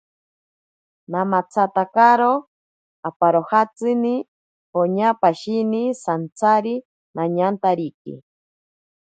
Namatsatakaro aparojatsini, poña pashine santsari nañantariki.